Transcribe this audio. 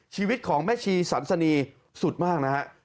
ชีวิตของแม่ชีสันสนีสุดมากนะฮะ